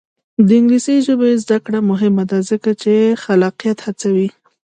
د انګلیسي ژبې زده کړه مهمه ده ځکه چې خلاقیت هڅوي.